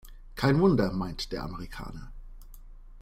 Kein Wunder, meint der Amerikaner.